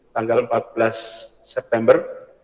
tanggal empat belas september